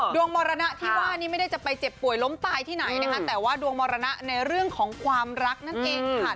มรณะที่ว่านี่ไม่ได้จะไปเจ็บป่วยล้มตายที่ไหนนะคะแต่ว่าดวงมรณะในเรื่องของความรักนั่นเองค่ะ